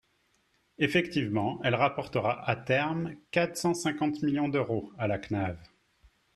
Effectivement, elle rapportera, à terme, quatre cent cinquante millions d’euros à la CNAV.